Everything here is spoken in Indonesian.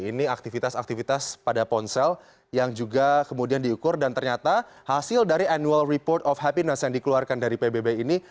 ini aktivitas aktivitas pada ponsel yang juga kemudian diukur dan ternyata hasil dari annual report of happiness yang dikeluarkan dari pbb ini